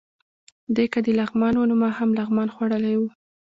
دی که د لغمان و، نو ما هم لغمان خوړلی و.